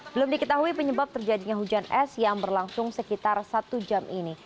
belum diketahui penyebab terjadinya hujan es yang berlangsung sekitar satu jam ini